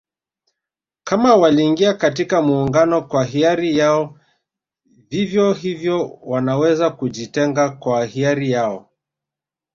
Kama waliingia katika Muungano kwa hiari yao vivyo hivyo wanaweza kujitenga kwa hiari yao